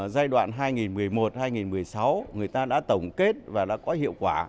giai đoạn hai nghìn một mươi một hai nghìn một mươi sáu người ta đã tổng kết và đã có hiệu quả